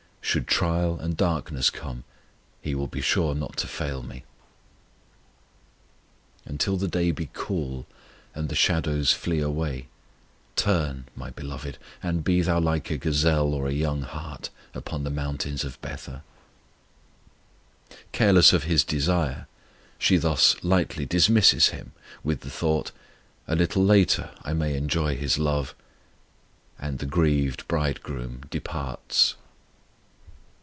Should trial and darkness come He will be sure not to fail me. Until the day be cool, and the shadows flee away, Turn, my Beloved, and be Thou like a gazelle or a young hart Upon the mountains of Bether. Careless of His desire, she thus lightly dismisses Him, with the thought: A little later I may enjoy His love; and the grieved Bridegroom departs!